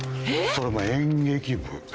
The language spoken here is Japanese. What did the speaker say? それも演劇部。